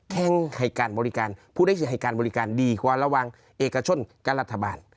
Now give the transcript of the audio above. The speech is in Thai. แค่งให้การบริการผู้ได้ให้การบริการดีกว่าระวังเอกชนกับรัฐบาล